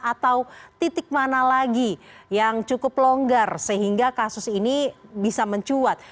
atau titik mana lagi yang cukup longgar sehingga kasus ini bisa mencuat